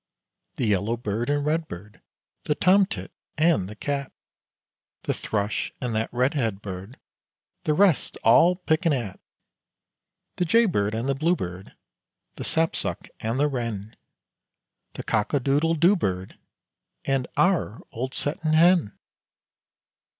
The yellowbird and redbird, The tom tit and the cat; The thrush and that redhead bird The rest's all pickin' at! The jay bird and the bluebird, The sap suck and the wren The cockadoodle doo bird, And our old settin' hen!